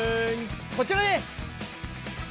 こちらです！